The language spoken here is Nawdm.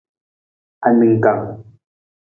Aningkang.